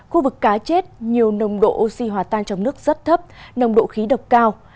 khu vực cá chết nhiều nồng độ oxy hòa tan trong nước rất thấp nồng độ khí độc cao